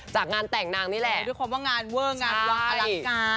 จากงานแต่งนางนี่แหละด้วยความว่างานเวอร์งานวางอลังการ